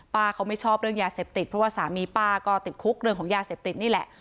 เขาไม่ชอบเรื่องยาเสพติดเพราะว่าสามีป้าก็ติดคุกเรื่องของยาเสพติดนี่แหละ